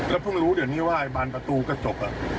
แล้วพึ่งรู้เดี๋ยวนี้ว่าบานประตูก็จบ